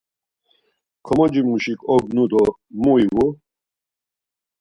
Komocimuşik ognu do mu ivu?